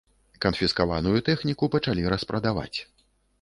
Канфіскаваную тэхніку пачалі распрадаваць.